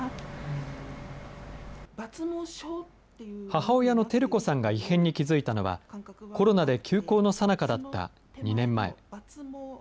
母親の輝子さんが異変に気付いたのは、コロナで休校のさなかだった２年前。